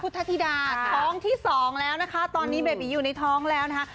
ทธิดาท้องที่สองแล้วนะคะตอนนี้เบบีอยู่ในท้องแล้วนะคะ